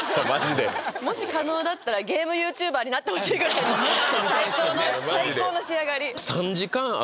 もし可能だったらゲームＹｏｕＴｕｂｅｒになってほしいぐらい最高の最高の仕上がり３時間あ